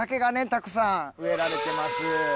たくさん植えられてます。